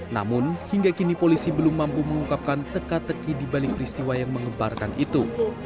namun hingga kini polisi belum mampu mengungkapkan teka teki dibalik peristiwa yang mengembarkan itu